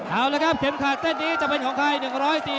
เอาละครับเข็มขาดเส้นนี้จะเป็นของใคร